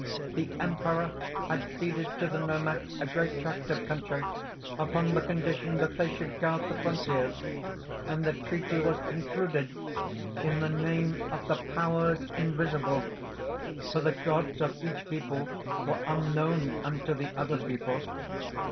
The emperor had ceded to the Nomads a great tract of country, upon the condition that they should guard the frontiers; and the treaty was concluded in the name of the 'Powers Invisible.' For the gods of each people were unknown unto the other people.